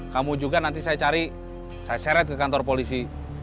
kamu juga nanti saya cari saya seret ke kantor polisi